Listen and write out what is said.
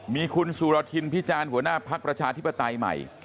มีคุณสุรทินพิจารณ์หัวหน้าภักดิ์ประชาธิปไตยใหม่